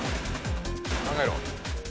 考えろ。